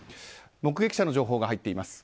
目撃者の情報が入っています。